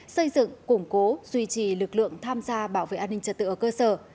xây dựng củng cố duy trì lực lượng tham gia bảo vệ an ninh trật tự ở cơ sở